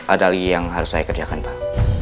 ada lagi yang harus saya kerjakan pak